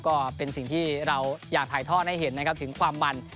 ก็เป็นสิ่งที่เราอยากถ่ายทอดให้เห็นนะครับถึงความมัน